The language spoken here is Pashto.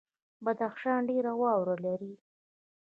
بدخشان ډیره واوره لري